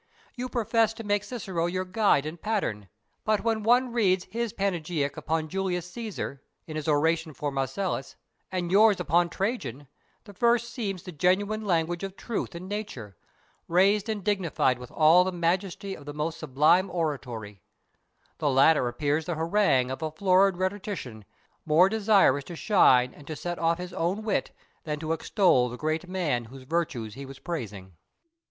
You professed to make Cicero your guide and pattern; but when one reads his Panegyric upon Julius Caesar, in his Oration for Marcellus, and yours upon Trajan, the first seems the genuine language of truth and Nature, raised and dignified with all the majesty of the most sublime oratory; the latter appears the harangue of a florid rhetorician, more desirous to shine and to set off his own wit than to extol the great man whose virtues he was praising.